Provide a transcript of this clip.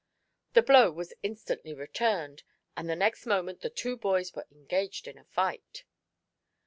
The blow was instantly returned, and the next moment the two boys were engaged in fight.